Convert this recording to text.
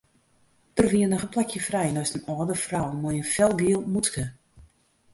Der wie noch in plakje frij neist in âlde frou mei in felgiel mûtske.